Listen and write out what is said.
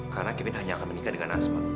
karena kevin hanya akan menikah dengan asma